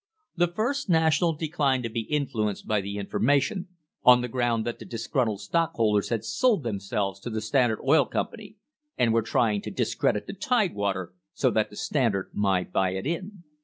The First National declined to be influ enced by the information, on the ground that the disgruntled stockholders had sold themselves to the Standard Oil Com pany, and were trying to discredit the Tidewater, so that the Standard might buy it in.